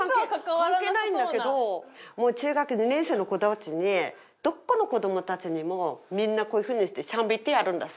関係ないんだけどもう中学２年生の子たちにどこの子どもたちにもみんなこういうふうにしてしゃべってやるんだす。